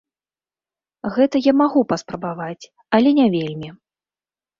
Гэта я магу паспрабаваць, але не вельмі.